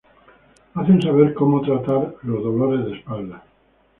Hacen saber como tratar los dolores de espalda.